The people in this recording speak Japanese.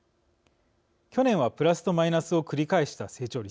去年はプラスとマイナスを繰り返した成長率。